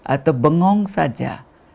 atau bengong saja